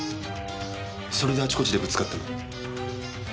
それであちこちでぶつかっても。